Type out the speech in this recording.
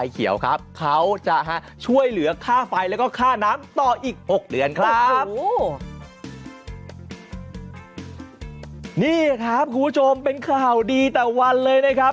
ข่าวดีแต่วันเลยนะครับ